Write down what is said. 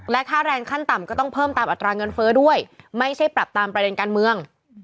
ค่าแรงขั้นต่ำก็ต้องเพิ่มตามอัตราเงินเฟ้อด้วยไม่ใช่ปรับตามประเด็นการเมือง